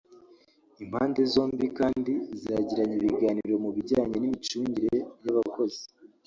Impande zombi kandi zagiranye ibiganiro mu bijyanye n’imicungire y’abakozi